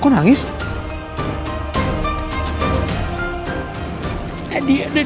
kalian disini aja